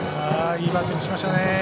いいバッティングをしましたね。